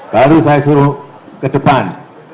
baru saya suruh ke depan